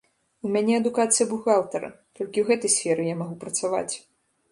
У мяне адукацыя бухгалтара, толькі ў гэтай сферы я магу працаваць.